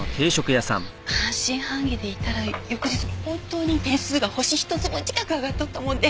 半信半疑でいたら翌日本当に点数が星１つ分近く上がっとったもんで。